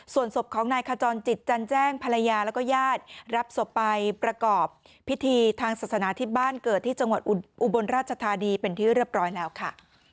ส่วนศพของนายขจรจิตจันแจ้งภรรยาแล้วก็ญาติรับศพไปประกอบพิธีทางศาสนาที่บ้านเกิดที่จังหวัดอุบลราชธานีเป็นที่เรียบร้อยแล้วค่ะ